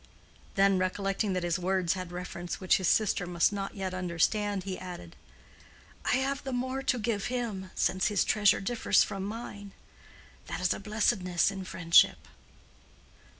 Then, recollecting that his words had reference which his sister must not yet understand, he added, "I have the more to give him, since his treasure differs from mine. That is a blessedness in friendship."